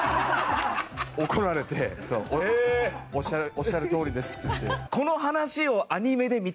「おっしゃるとおりです」って言って。